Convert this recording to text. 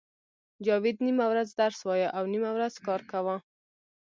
جاوید نیمه ورځ درس وایه او نیمه ورځ کار کاوه